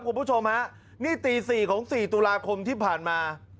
คุณผู้ชมฮะนี่ตี๔ของ๔ตุลาคมที่ผ่านมา